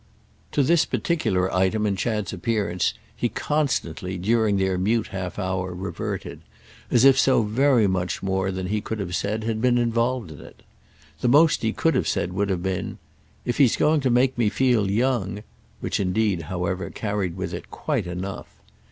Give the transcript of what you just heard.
To this particular item in Chad's appearance he constantly, during their mute half hour, reverted; as if so very much more than he could have said had been involved in it. The most he could have said would have been: "If he's going to make me feel young—!" which indeed, however, carried with it quite enough.